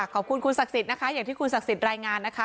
ขอบคุณคุณศักดิ์สิทธิ์นะคะอย่างที่คุณศักดิ์สิทธิ์รายงานนะคะ